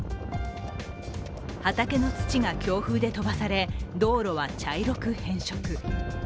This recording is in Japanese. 畑の土が強風で飛ばされ道路は茶色く変色。